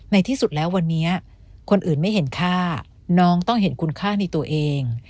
ในที่สุดแล้ววันนี้คนอื่นไม่เห็นค่าน้องต้องเห็นคุณค่าในตัวเอง